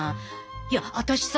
いや私さ